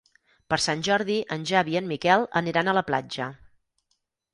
Per Sant Jordi en Xavi i en Miquel aniran a la platja.